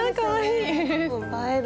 映える。